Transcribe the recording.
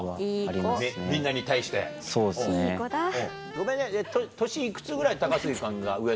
ごめんね年いくつぐらい高杉さんが上なの？